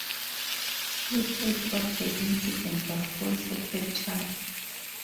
Footage of the incident was also captured.